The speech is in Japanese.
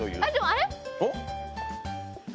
あれ？